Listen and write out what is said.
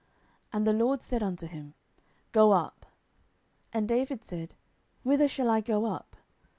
And the LORD said unto him, Go up. And David said, Whither shall I go up?